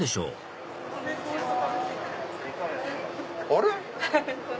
あれ？